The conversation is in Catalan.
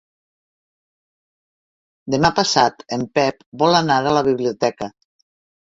Demà passat en Pep vol anar a la biblioteca.